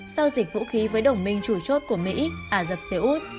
giao dịch vũ khí với đồng minh chủ chốt của mỹ ả rập xê út